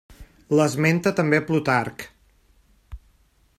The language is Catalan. L'esmenta també Plutarc.